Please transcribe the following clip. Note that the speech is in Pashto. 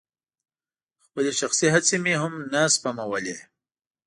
خپلې شخصي هڅې مې هم نه سپمولې.